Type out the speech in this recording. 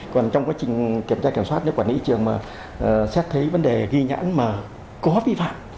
còn trong quá trình kiểm tra kiểm soát nếu quản lý thị trường mà xét thấy vấn đề ghi nhãn mà có vi phạm